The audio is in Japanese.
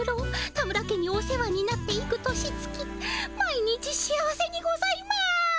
田村家にお世話になって幾年月毎日幸せにございます？